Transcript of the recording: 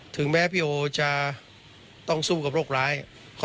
ส่งมาให้โอโนเฟอร์เรเวอร์